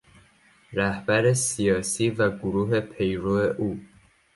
رهبر سیاسی و گروه پیرو او